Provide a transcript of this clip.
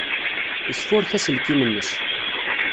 Yesfurek aselkim-nnes.